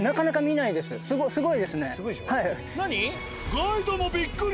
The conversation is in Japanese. ガイドもびっくり！